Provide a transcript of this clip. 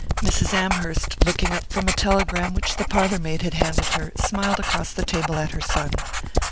Mrs. Amherst, looking up from a telegram which the parlour maid had handed her, smiled across the table at her son.